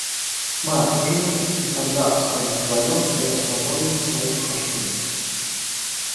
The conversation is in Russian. Мы отужинали, и, когда остались вдвоем, я рассказал ему свои похождения.